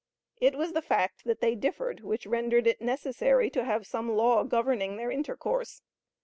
It was the fact that they differed which rendered it necessary to have some law governing their intercourse.